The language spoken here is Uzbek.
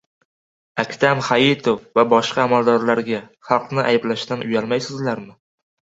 Aktam Hayitov va boshqa amaldorlarga: xalqni ayblashdan uyalmaysizlarmi?